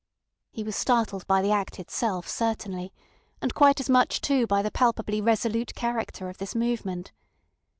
He was startled by the act itself certainly, and quite as much too by the palpably resolute character of this movement.